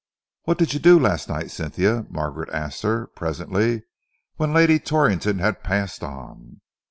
"What did you do last night, Cynthia?" Margaret asked her presently, when Lady Torrington had passed on.